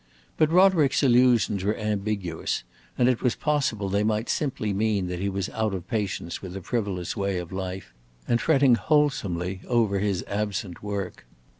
But Roderick's allusions were ambiguous, and it was possible they might simply mean that he was out of patience with a frivolous way of life and fretting wholesomely over his absent work.